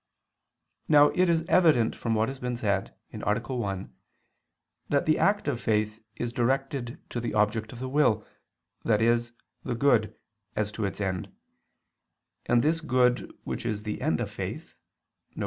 Now it is evident from what has been said (A. 1), that the act of faith is directed to the object of the will, i.e. the good, as to its end: and this good which is the end of faith, viz.